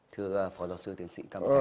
thưa phó giáo sư tiến sĩ cảm ơn